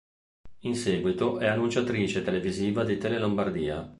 In seguito è annunciatrice televisiva di Tele Lombardia.